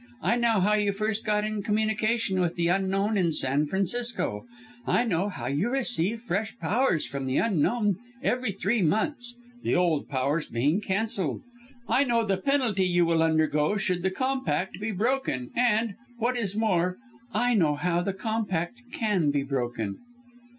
I know how you first got in communication with the Unknown in San Francisco; I know how you receive fresh powers from the Unknown every three months (the old powers being cancelled). I know the penalty you will undergo should the Compact be broken and what is more I know how the Compact can be broken."